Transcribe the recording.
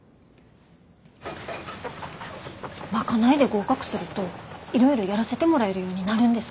賄いで合格するといろいろやらせてもらえるようになるんですか？